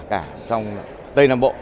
cả trong tây nam bộ